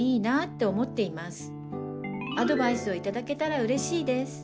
アドバイスを頂けたらうれしいです。